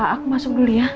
aku masuk dulu ya